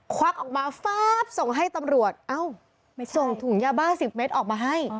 ควักออกมาฟาบส่งให้ตำรวจเอ้าส่งถุงยาบ้า๑๐เมตรออกมาให้